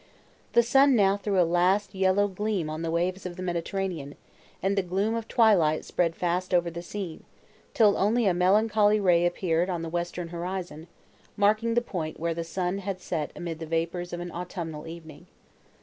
The sun now threw a last yellow gleam on the waves of the Mediterranean, and the gloom of twilight spread fast over the scene, till only a melancholy ray appeared on the western horizon, marking the point where the sun had set amid the vapours of an autumnal evening.